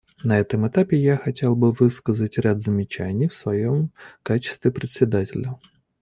На этом этапе я хотел бы высказать ряд замечаний в своем качестве Председателя.